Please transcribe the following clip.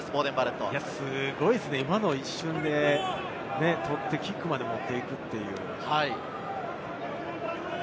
すごいですね、今の一瞬で取ってキックまで持っていく。